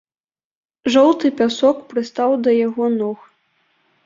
Жоўты пясок прыстаў да яго ног.